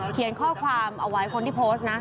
เขียนข้อความเอาไว้คนที่โพสต์นะ